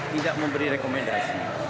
tidak memberi rekomendasi